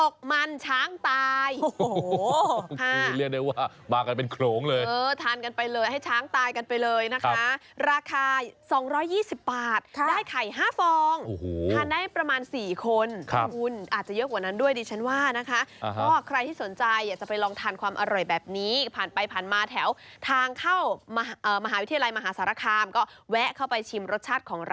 กะเพราไก่กะเพราปลากระป๋องกะเพราหมูสามชั้น